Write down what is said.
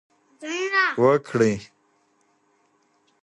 وکړي.